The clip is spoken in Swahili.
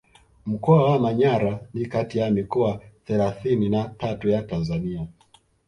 Mkoa wa Manyara ni kati ya mikoa thelathini na tatu ya Tanzania